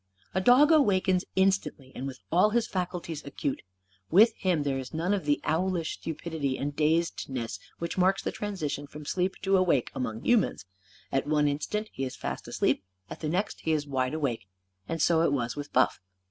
A dog awakens instantly and with all his faculties acute. With him there is none of the owlish stupidity and dazedness which marks the transition from sleep to awake, among humans. At one instant he is fast asleep; at the next he is wide awake. And so it was with Buff.